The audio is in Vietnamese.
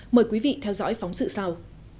mời quý vị theo dõi phóng sự sau